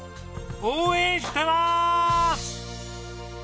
応援してます！